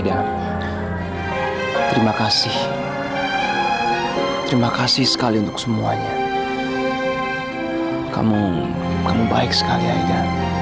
aku akan menanggung semua akibatnya